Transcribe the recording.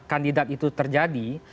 kandidat itu terjadi